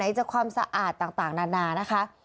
จากความสะอาดต่างนานานะคะ